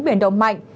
biển đông mạnh